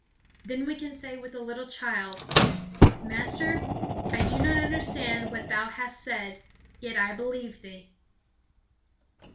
Then we can say with the little child: "Master, I do not understand what thou hast said, yet I believe thee."